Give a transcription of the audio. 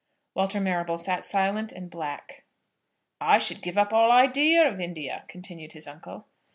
Walter Marrable sat silent and black. "I should give up all idea of India," continued his uncle.